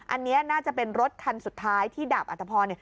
อันนี้น่าจะเป็นรถคันสุดท้ายที่ดาบอัตภพร